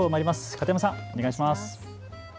片山さん、お願いします。